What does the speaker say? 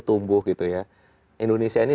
tumbuh gitu ya indonesia ini